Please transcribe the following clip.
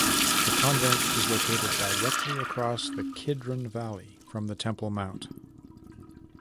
The convent is located directly across the Kidron Valley from the Temple Mount.